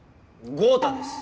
豪太です！